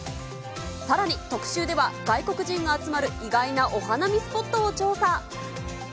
さらに特集では、外国人が集まる意外なお花見スポットを調査。